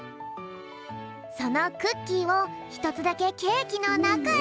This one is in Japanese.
そのクッキーをひとつだけケーキのなかへ！